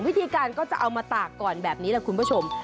วิธีการก็จะเอามาตากก่อนแบบนี้แหละคุณผู้ชม